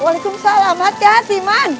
waalaikumsalam hati hati man